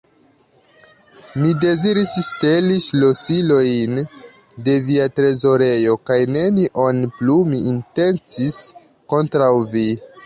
Mi deziris ŝteli ŝlosilojn de via trezorejo kaj nenion plu mi intencis kontraŭ vi!